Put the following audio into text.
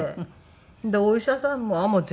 でお医者さんも「もう全然」